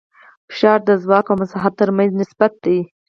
فشار د ځواک او مساحت تر منځ نسبت دی.